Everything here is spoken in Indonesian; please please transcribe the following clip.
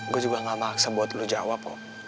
gue juga gak maksa buat lo jawab